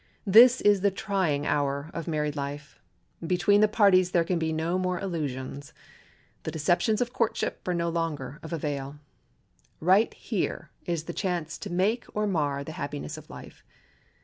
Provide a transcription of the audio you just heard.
This is the trying hour of married life. Between the parties there can be no more illusions. The deceptions of courtship are no longer of avail. Right here is the chance to make or mar the happiness of life.